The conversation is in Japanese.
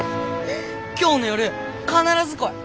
今日の夜必ず来い。